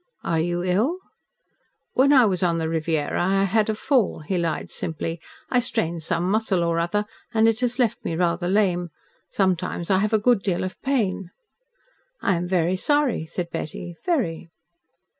"Are you ill?" "When I was on the Riviera I had a fall." He lied simply. "I strained some muscle or other, and it has left me rather lame. Sometimes I have a good deal of pain." "I am very sorry," said Betty. "Very."